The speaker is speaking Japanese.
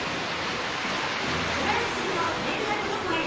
しばらくするとメールが届くわよ。